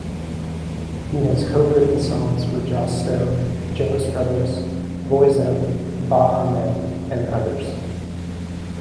He has co-written songs for Joss Stone, Jonas Brothers, Boyzone, Baha Men and others.